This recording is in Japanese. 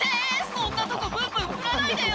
そんなとこブンブン振らないでよ！